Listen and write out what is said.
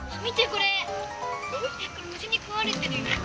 これむしにくわれてるよ！